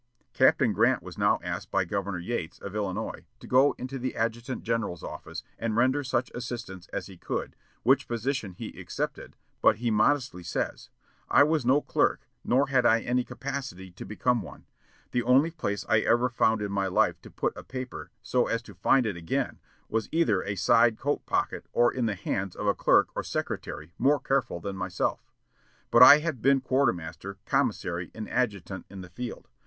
Captain Grant was now asked by Governor Yates, of Illinois, to go into the adjutant general's office, and render such assistance as he could, which position he accepted, but he modestly says, "I was no clerk, nor had I any capacity to become one. The only place I ever found in my life to put a paper so as to find it again was either a side coat pocket or the hands of a clerk or secretary more careful than myself. But I had been quartermaster, commissary, and adjutant in the field.